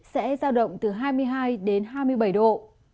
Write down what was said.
sẽ giao động từ hai mươi hai đến hai mươi bảy độ